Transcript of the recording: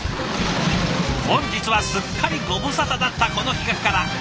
本日はすっかりご無沙汰だったこの企画から。